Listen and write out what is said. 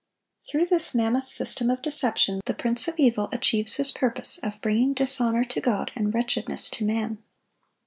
Through this mammoth system of deception the prince of evil achieves his purpose of bringing dishonor to God and wretchedness to man.